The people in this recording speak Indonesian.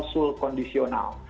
disitu ada lawan kondisional